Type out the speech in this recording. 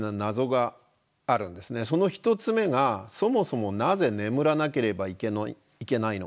その１つ目がそもそもなぜ眠らなければいけないのか。